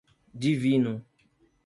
Divino